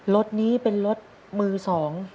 รถนี้เป็นรถมือสอง